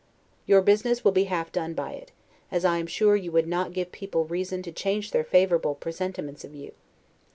Your business will be half done by it, as I am sure you would not give people reason to change their favorable presentiments of you.